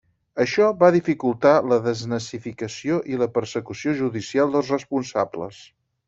Això va dificultar la desnazificació i la persecució judicial dels responsables.